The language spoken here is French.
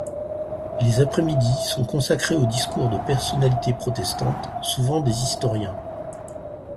Les après-midis sont consacrées aux discours de personnalités protestantes, souvent des historiens.